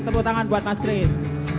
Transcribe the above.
tepuk tangan buat mas chris